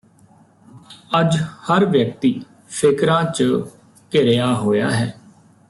ਅੱਜ ਹਰ ਵਿਅਕਤੀ ਫਿਕਰਾਂ ਚ ਘਿਰਿਆ ਹੋਇਆ ਹੈ